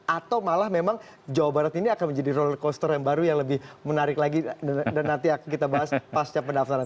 atau malah memang jawa barat ini akan menjadi role coaster yang baru yang lebih menarik lagi dan nanti akan kita bahas pasca pendaftaran